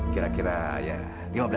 kira kira ya lima belas menit